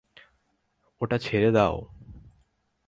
ওটা ছেড়ে দাও!